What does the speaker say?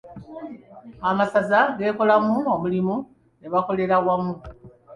Amasaza geekolamu omulimu ne bakolera wamu.